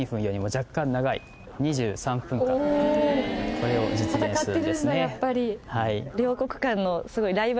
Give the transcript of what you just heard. これを実現するんですね。